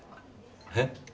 えっ？